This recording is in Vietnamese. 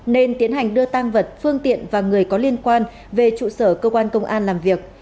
nên tiến hành đưa tăng vật phương tiện và người có liên quan về trụ sở cơ quan công an làm việc